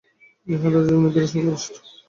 ইহাই তাহার জীবনে বিরাট সফলতার হেতু।